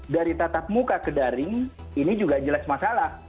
dari tatap muka ke daring ini juga jelas masalah